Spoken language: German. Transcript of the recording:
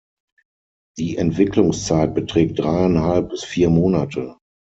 Die Entwicklungszeit beträgt dreieinhalb bis vier Monate.